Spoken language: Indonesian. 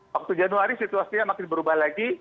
waktu januari situasinya makin berubah lagi